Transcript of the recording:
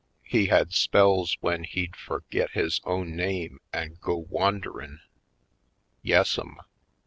He had spells w'en he'd furgit his own name an' go wanderin'. Yassum!